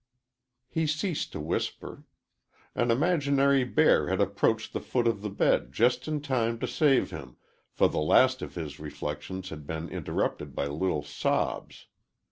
He ceased to whisper. An imaginary bear had approached the foot of the bed just in time to save him, for the last of his reflections had been interrupted by little sobs.